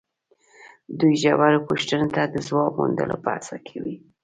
دوی ژورو پوښتنو ته د ځواب موندلو په هڅه کې وي.